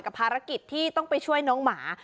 ภารกิจที่ต้องไปช่วยน้องหมา